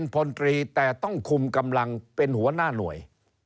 แก้ต้องคุมกำลังเป็นหัวหน้าหน่วย